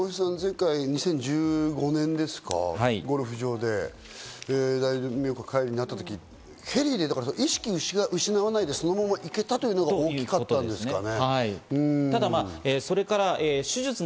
笑瓶さん、前回２０１５年ですか、ゴルフ場で大動脈解離になったとき、ヘリで意識を失わないで、そのまま行けたのが大きかったんですかね。